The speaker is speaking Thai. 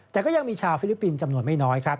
แต่ก็ยังมีชาวฟิลิปปินส์จำนวนไม่น้อยครับ